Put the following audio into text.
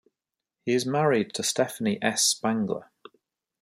He is married to Stephanie S. Spangler.